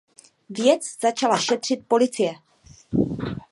Věc začala šetřit policie.